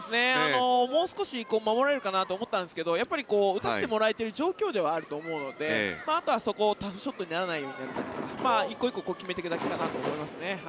もう少し守られるかなと思ったんですけどやっぱり打たせてもらえている状況ではあると思うのであとはそこをタフショットにならないようにだったりとか１個１個決めていくだけかなと思いますね。